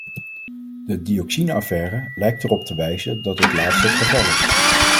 De dioxine-affaire lijkt erop te wijzen dat dit laatste het geval is.